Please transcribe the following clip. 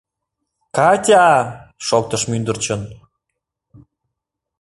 — Катя-а! — шоктыш мӱндырчын.